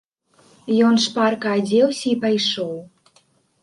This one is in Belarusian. Ён шпарка адзеўся і пайшоў.